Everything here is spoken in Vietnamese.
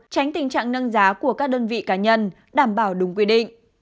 tránh tình trạng nâng giá của các đơn vị cá nhân đảm bảo đúng quy định